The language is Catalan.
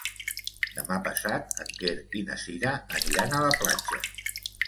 Demà passat en Quer i na Cira aniran a la platja.